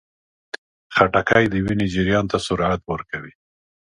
خټکی د وینې جریان ته سرعت ورکوي.